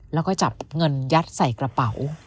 แล้วก็จับเงินยัดใส่กระเป๋า